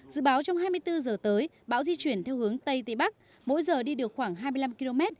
dự báo trong hai mươi bốn giờ tới bão di chuyển theo hướng tây tây bắc mỗi giờ đi được khoảng hai mươi năm km